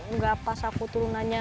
nggak pas aku turunannya